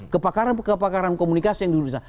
kepakaran kepakaran komunikasi yang duduk di sana